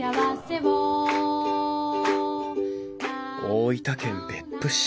大分県別府市。